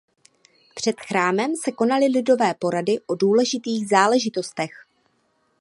Před chrámem se konaly lidové porady o důležitých záležitostech.